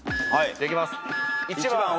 じゃあいきます。